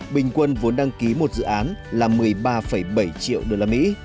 bình quân vốn đăng ký một dự án là một mươi ba bảy triệu đô la mỹ